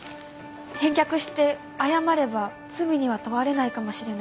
返却して謝れば罪には問われないかもしれない。